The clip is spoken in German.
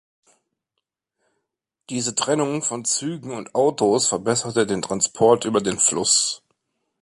Diese Trennung von Zügen und Autos verbesserte den Transport über den Fluss.